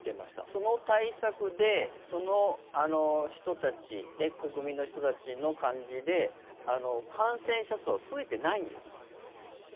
その対策で、その人たち国民の人たちの感じで感染者数は増えてないんですか？